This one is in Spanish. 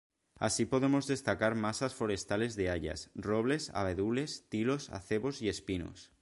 Así podemos destacar masas forestales de hayas, robles, abedules, tilos, acebos y espinos.